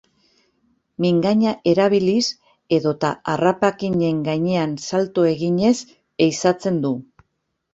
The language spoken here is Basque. Mingaina erabiliz edota harrapakinen gainean salto eginez ehizatzen du.